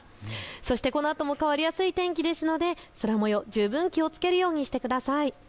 そして、このあとも変わりやすい天気ですので空もよう十分に気をつけるようにしてください。